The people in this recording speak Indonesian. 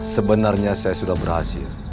sebenarnya saya sudah berhasil